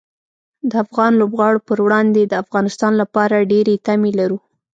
د افغان لوبغاړو پر وړاندې د افغانستان لپاره ډېرې تمې لرو.